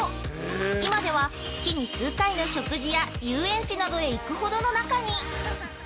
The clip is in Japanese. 今では、月に数回の食事や遊園地などへ行くほどの仲に。